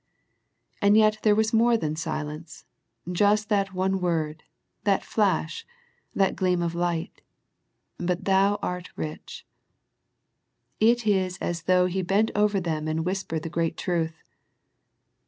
And yet there was more than the silence, just that one word, that flash, that gleam of light, " but thou art rich." It is as though He bent over them and whispered the great truth.